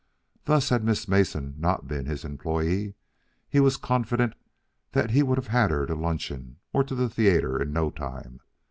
Thus, had Miss Mason not been his employee, he was confident that he would have had her to luncheon or the theatre in no time.